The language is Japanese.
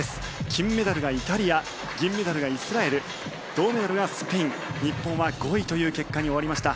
金メダルがイタリア銀メダルがイスラエル銅メダルがスペイン日本は５位という結果に終わりました。